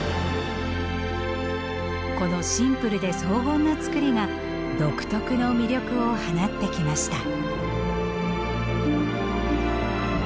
このシンプルで荘厳なつくりが独特の魅力を放ってきました。